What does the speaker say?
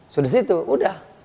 sudah itu sudah